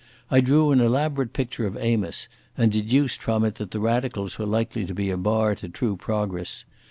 I drew an elaborate picture of Amos, and deduced from it that the Radicals were likely to be a bar to true progress.